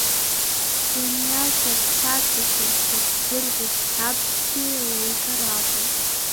Зыниашьа зхаҵашьаз ҳәа ззырҳәоз қьабзкгьы еилеигар акәын.